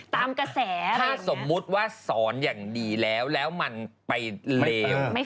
ตามกระแสถ้าสมมุติว่าสอนอย่างดีแล้วแล้วมันไปเลว